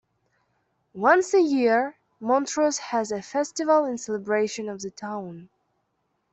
Once a year, Montross has a festival in celebration of the town.